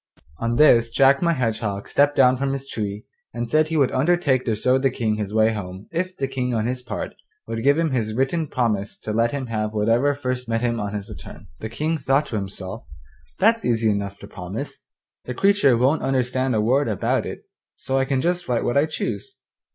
On this Jack my Hedgehog stepped down from his tree and said he would undertake to show the King his way home if the King on his part would give him his written promise to let him have whatever first met him on his return. The King thought to himself, 'That's easy enough to promise. The creature won't understand a word about it, so I can just write what I choose.